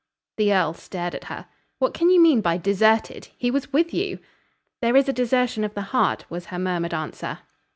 The earl stared at her. "What can you mean by 'deserted!' He was with you." "There is a desertion of the heart," was her murmured answer.